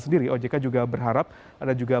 sendiri ojk juga berharap ada juga